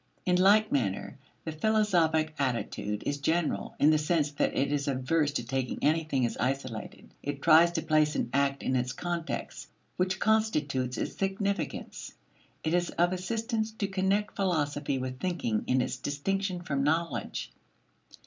In like manner the philosophic attitude is general in the sense that it is averse to taking anything as isolated; it tries to place an act in its context which constitutes its significance. It is of assistance to connect philosophy with thinking in its distinction from knowledge.